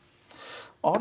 あれ？